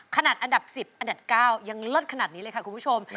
อันดับ๑๐อันดับ๙ยังเลิศขนาดนี้เลยค่ะคุณผู้ชม